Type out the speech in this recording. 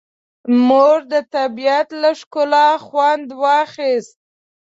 موږ د طبیعت له ښکلا خوند واخیست.